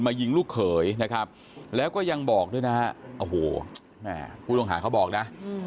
ยิงลูกเขยนะครับแล้วก็ยังบอกด้วยนะฮะโอ้โหแม่ผู้ต้องหาเขาบอกนะ